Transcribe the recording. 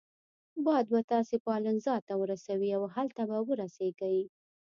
باد به تاسي پالنزا ته ورسوي او هلته به ورسیږئ.